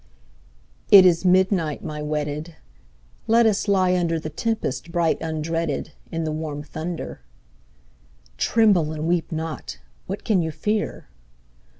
It is midnight, my wedded ; Let us lie under The tempest bright undreaded. In the warm thunder : (Tremble and weep not I What can you fear?)